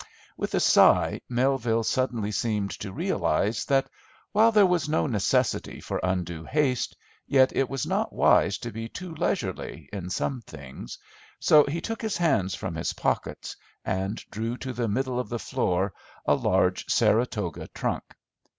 With a sigh Melville suddenly seemed to realise that while there was no necessity for undue haste, yet it was not wise to be too leisurely in some things, so he took his hands from his pockets and drew to the middle of the floor a large Saratoga trunk.